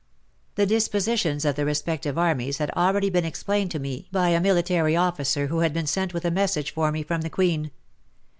The dispositions of the respective armies had already been explained to me by a military i6o WAR AND WOMEN officer who had been sent with a message for me from the Queen.